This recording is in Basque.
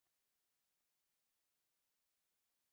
Zena zela, argi zegoen bera ezeroso samar atera zela etxe hartatik.